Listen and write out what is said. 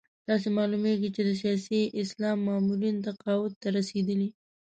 داسې معلومېږي چې د سیاسي اسلام مامورین تقاعد ته رسېدلي.